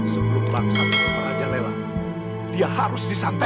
sebelum bangsa bangsa berada lewat dia harus disantet